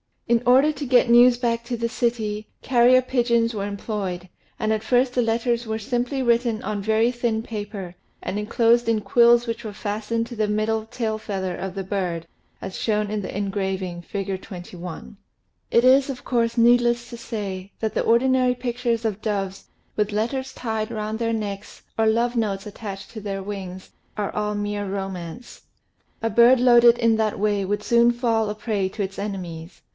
In order to get news back to the city, carrier pigeons were employed, and at first the letters were simply written on very thin paper and enclosed in quills which were fastened to the middle tail feather of the bird, as shown in the engraving, Fig. 21. It is, of course, need MICROGRAPHY AND MICROPHOTOGRAPHY 14; less to say, that the ordinary pictures of doves with letters tied lound their necks or love notes attached to their wings, are all mere romance. A bird loaded in that way would soon fall a prey to its enemies.